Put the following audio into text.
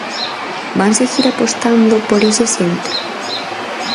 ¿Van seguir apostando por ese centro?